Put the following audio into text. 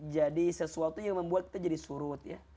jadi sesuatu yang membuat kita jadi surut ya